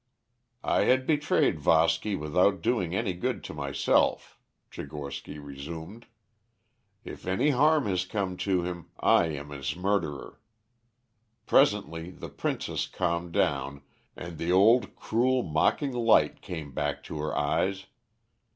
"I had betrayed Voski without doing any good to myself," Tchigorsky resumed. "If any harm has come to him, I am his murderer. Presently the princess calmed down, and the old cruel mocking light came back to her eyes.